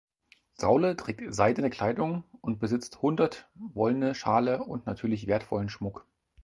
Saule trägt seidene Kleidung und besitzt hundert wollene Schale und natürlich wertvollen Schmuck.